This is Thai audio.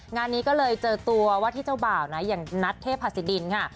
งานนี้ก็เลยเจอตัวว่าที่เจ้าบ่าวนะอย่างนัทเทพศิดินค่ะ